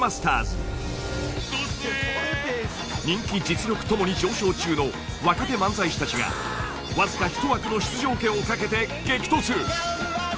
［人気実力共に上昇中の若手漫才師たちがわずか１枠の出場権を懸けて激突！］